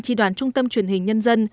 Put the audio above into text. trị đoàn trung tâm truyền hình nhân dân